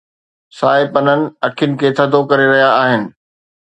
سائي پنن اکين کي ٿڌو ڪري رهيا آهن.